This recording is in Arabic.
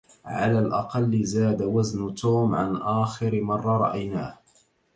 على الأقل، زاد وزن توم عن آخر مرة رأيناه.